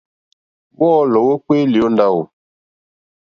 Wɔ́ɔ́lɔ̀ wókpéélì ó ndáwò.